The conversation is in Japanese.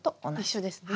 一緒ですね。